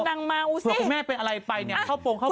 แต่ถ้าคุณแม่เป็นอะไรไปเข้าโปรดเข้าปท